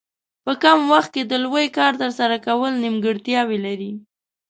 په کم وخت کې د لوی کار ترسره کول نیمګړتیاوې لري.